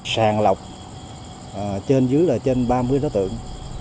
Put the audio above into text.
sàng lọc trên dưới là trên ba mươi đối tượng